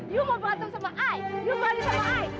you mau berantem sama i you balik sama i